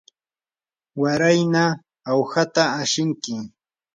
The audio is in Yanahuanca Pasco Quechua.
warayna awhata ashinki.